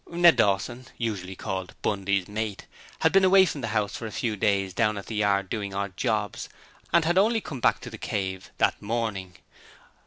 Ned Dawson, usually called 'Bundy's mate', had been away from the house for a few days down at the yard doing odd jobs, and had only come back to the 'Cave' that morning.